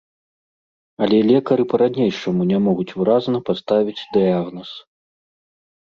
Але лекары па-ранейшаму не могуць выразна паставіць дыягназ.